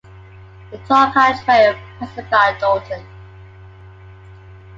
The Tarka Trail passes by Dolton.